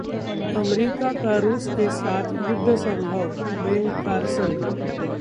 America का रूस के साथ युद्ध संभव: बेन कार्सन